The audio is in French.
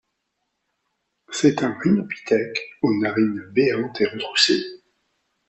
C'est un rhinopithèque aux narines béantes et retroussées.